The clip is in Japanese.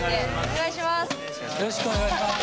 お願いします！